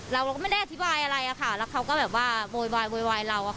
เราก็ไม่ได้อธิบายอะไรแล้วเขาก็โบยวายเรา